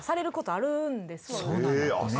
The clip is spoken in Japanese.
あるんですよ。